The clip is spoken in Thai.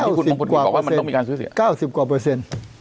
๙๐กว่าเปอร์เซ็นต์๙๐กว่าเปอร์เซ็นต์